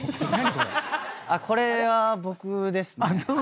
これは僕ですね。